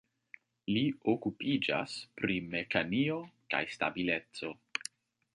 Li okupiĝas pri mekaniko kaj stabileco.